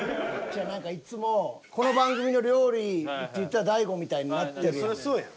何かいつもこの番組の料理っていったら大悟みたいになってるやん。